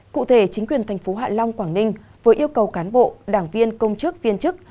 cụ thể chính quyền thành phố hạ long quảng ninh vừa yêu cầu cán bộ đảng viên công chức viên chức